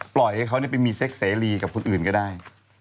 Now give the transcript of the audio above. ปล่อยให้เขาไปมีเซ็กเสรีกับคนอื่นก็ได้